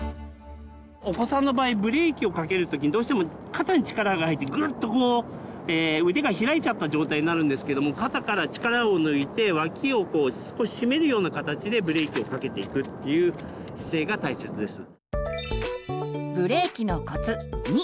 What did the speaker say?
お子さんの場合ブレーキをかける時にどうしても肩に力が入ってグッとこう腕が開いちゃった状態になるんですけども肩から力を抜いて脇をこう少ししめるような形でブレーキをかけていくっていう姿勢が大切です。